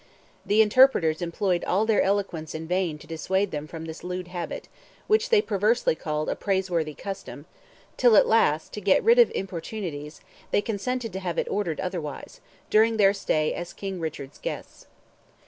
The interpreters employed all their eloquence in vain to dissuade them from this lewd habit, which they perversely called "a praiseworthy custom," till at last, to get rid of importunities, they consented to have it ordered otherwise, during their stay as King Richard's guests.